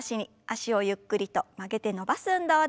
脚をゆっくりと曲げて伸ばす運動です。